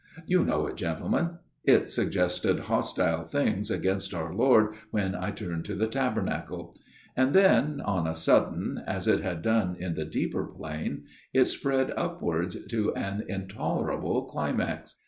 You know it, gentlemen. ... It suggested hostile things against our Lord when I turned to the Taber nacle. And then, on a sudden, as it had done in the deeper plane, it spread upwards to an intolerable climax.